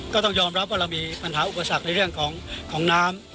ก็ต้องยอมรับว่าเรามีปัญหาอุปสรรคในเรื่องของน้ำ